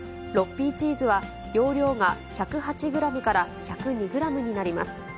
６Ｐチーズは容量が１０８グラムから１０２グラムになります。